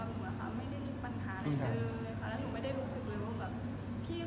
ก็ดีใจได้เล่นเรื่องนี้ด้วย